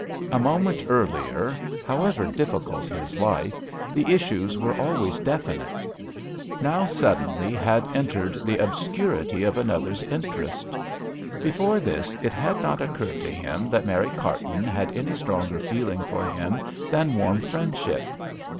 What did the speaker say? A moment earlier, however 94 JOHN SHERMAN. difficult his life, the issues were always definite ; now suddenly had entered the obscurity of another's interest. Before this it had not occurred to him that Mary Carton had any stronger feeling for him than warm friendship.